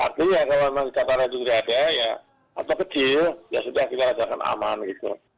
artinya kalau memang dataran itu tidak ada ya atau kecil ya sudah kita rasakan aman gitu